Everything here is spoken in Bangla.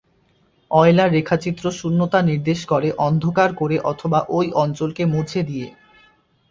অয়লার রেখাচিত্র শূন্যতা নির্দেশ করে অন্ধকার করে অথবা ঐ অঞ্চলকে মুছে দিয়ে।